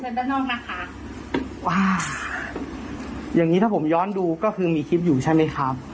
ด้านนอกนะคะว่าอย่างงี้ถ้าผมย้อนดูก็คือมีคลิปอยู่ใช่ไหมครับ